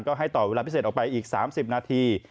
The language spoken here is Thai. ก็ให้ต่อเวลาพิเศษออกไปอีก๓๐นาที